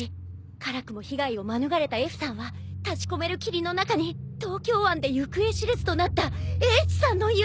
「辛くも被害を免れたＦさんは立ち込める霧の中に東京湾で行方知れずとなったＨさんの幽霊を」